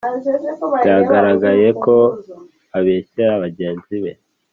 byagaraye ko abeshyera bagenzi be